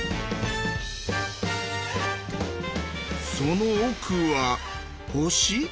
その奥は星？